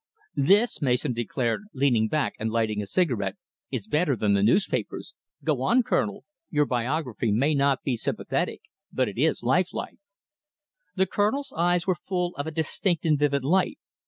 "This," Mason declared, leaning back and lighting a cigarette, "is better than the newspapers. Go on, Colonel! Your biography may not be sympathetic, but it is lifelike!" The Colonel's eyes were full of a distinct and vivid light.